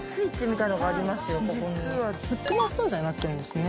実はフットマッサージャーになってるんですね。